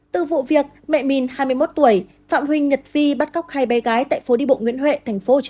từ vụ việc mẹ mình hai mươi một tuổi phạm huỳnh nhật vi bắt cóc hai bé gái tại phố đi bộ nguyễn huệ tp hcm